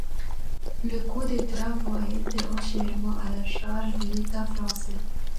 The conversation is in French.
Le coût des travaux a été entièrement à la charge de l’État français.